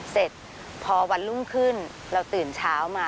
เสร็จพอวันรุ่งขึ้นเราตื่นเช้ามา